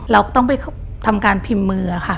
เราก็ต้องไปทำการพิมพ์มือค่ะ